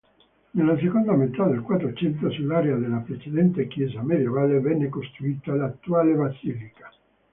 Nella seconda metà del Quattrocento sull’area della precedente chiesa medievale venne costruita l'attuale basilica.